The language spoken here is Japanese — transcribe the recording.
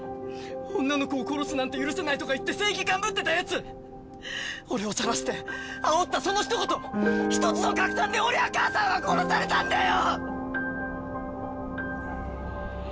「女の子を殺すなんて許せない」とか言って正義感ぶってたやつ俺をさらしてあおったその一言一つの拡散で俺や母さんは殺されたんだよ！